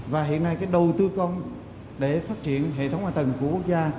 và hiện nay cái đầu tư công để phát triển hệ thống hạ tầng của quốc gia